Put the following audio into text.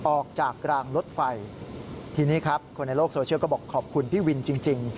กลางรถไฟทีนี้ครับคนในโลกโซเชียลก็บอกขอบคุณพี่วินจริง